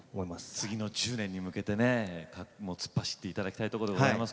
次の１０年に向かって突っ走っていただきたいと思います。